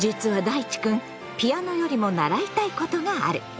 いちくんピアノよりも習いたいことがある。